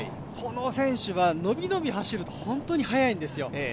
この選手は伸び伸び走ると本当に速いんですよ。